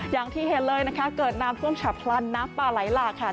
อย่างที่เห็นเลยนะคะเกิดน้ำท่วมฉับพลันน้ำป่าไหลหลากค่ะ